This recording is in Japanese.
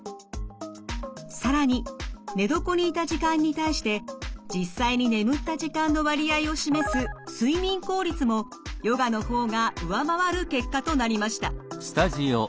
更に寝床にいた時間に対して実際に眠った時間の割合を示す睡眠効率もヨガの方が上回る結果となりました。